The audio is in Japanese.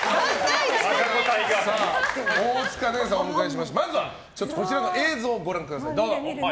大塚寧々さんをお迎えしてまずはこちらの映像ご覧ください。